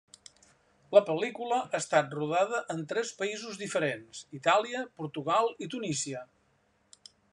La pel·lícula ha estat rodada en tres països diferents, Itàlia, Portugal i Tunísia.